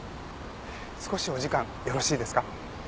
少しお時間よろしいですか？